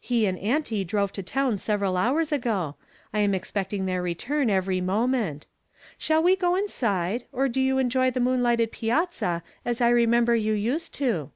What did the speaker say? He and auntie drove to town several hours ago ; I am expecting their return every moment. Shall we go inside, or will you enjoy the moonlighted piazza as I remember you used to?"